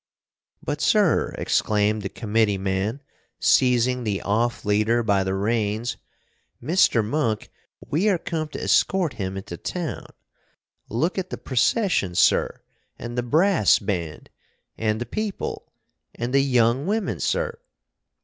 "But, sir," exclaimed the committee man, seizing the off leader by the reins, "Mr. Monk, we are come to escort him into town! Look at the procession, sir, and the brass band, and the people, and the young women, sir!"